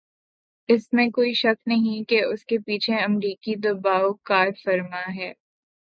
اس میں کوئی شک نہیں کہ اس کے پیچھے امریکی دبائو کارفرما ہے۔